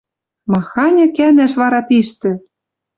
Маханьы кӓнӓш вара тиштӹ!